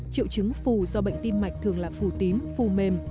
triệu chứng phù do bệnh tim mạch thường là phù tím phù mềm